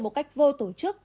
một cách vô tổ chức